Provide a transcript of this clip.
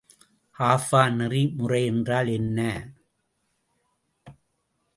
ஆஃபா நெறிமுறை என்றால் என்ன?